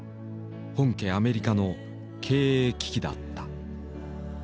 本家アメリカの経営危機だった。